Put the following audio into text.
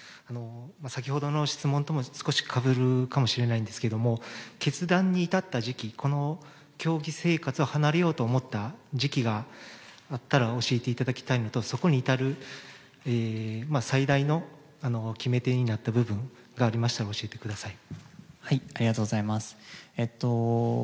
先ほどの質問とも少しかぶるかもしれないんですが決断に至った時期この競技生活を離れようと思った時期があったら教えていただきたいのとそこに至る最大の決め手になった部分がありましたら教えてください。